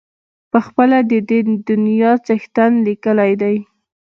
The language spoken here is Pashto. پخپله د دې دنیا څښتن لیکلی دی.